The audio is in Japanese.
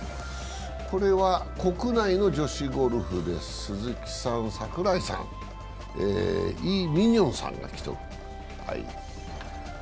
これは国内の女子ゴルフです、鈴木さん、櫻井さん、イ・ミニョンさんが来ています。